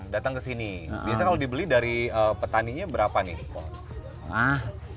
datang ke sini biasanya kalau dibeli dari petaninya berapa nih pak